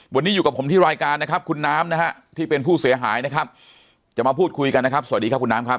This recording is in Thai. วันนี้อยู่กับผมที่รายการนะครับคุณน้ำนะฮะที่เป็นผู้เสียหายนะครับจะมาพูดคุยกันนะครับสวัสดีครับคุณน้ำครับ